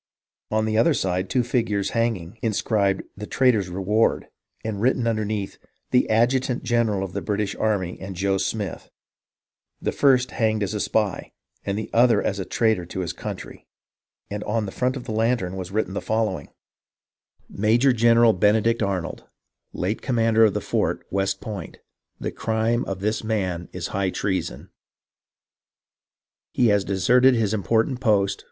On another side, two figures hanging, inscribed, ' The Traitor's Reward,' and written underneath, * The Adjutant general of the British Army, and Joe Smith ; the first hanged as a spy, and the other as a traitor to his country.' And on the front of the lantern was written the following: — 300 HISTORY OF THE AMERICAN REVOLUTION '' Major Geneial Benedict Arnold, late Commander of the Fort, West Point, The crime of this man is High Treason. " He has deserted the important post.